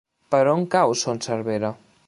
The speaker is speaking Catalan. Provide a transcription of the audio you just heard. Per on cau Son Servera?